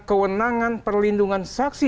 kewenangan perlindungan saksi